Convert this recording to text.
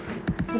udah bentar duduk